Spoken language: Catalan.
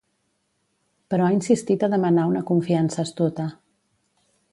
Però ha insistit a demanar una confiança astuta.